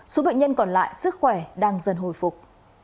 số bệnh nhân còn lại sức khỏe đang dần hồi phục